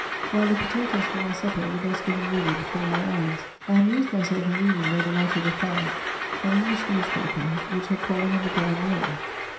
While the potatoes for my supper were thus getting ready before my eyes, i amused myself in reading, by the light of^^ the fire, an English newspaper, which had fallen on the ground near me.